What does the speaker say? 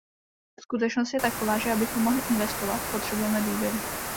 Skutečnost je taková, že abychom mohli investovat, potřebujeme důvěru.